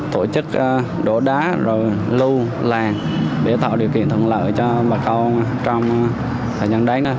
tổ chức đổ đá rồi lưu làng để tạo điều kiện thuận lợi cho bà con trong thời gian đấy